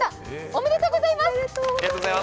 おめでとうございます。